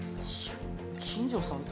金城さん。